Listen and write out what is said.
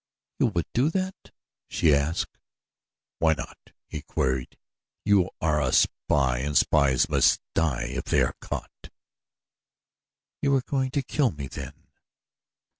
"You would do that?" she asked. "Why not?" he queried. "You are a spy and spies must die if they are caught." "You were going to kill me, then?"